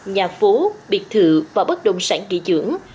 nhà phố biệt thự và bất động sản kỳ dưỡng